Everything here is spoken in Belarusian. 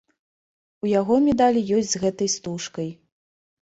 У яго медаль ёсць з гэтай стужкай.